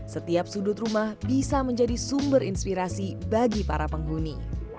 setiap sudut rumah bisa menjadi sumber inspirasi bagi para penghuni